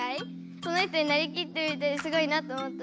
その人になりきっていてすごいなと思った。